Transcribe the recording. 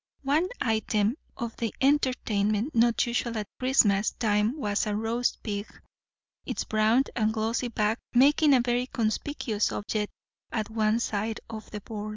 One item of the entertainment not usual at Christmas time was a roast pig; its brown and glossy back making a very conspicuous object at one side of the board.